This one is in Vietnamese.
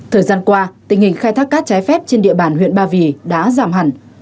thời gian qua tình hình khai thác cát trái phép trên địa bàn huyện ba vì đã giảm hẳn